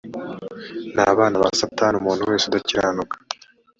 n abana ba satani umuntu wese udakiranuka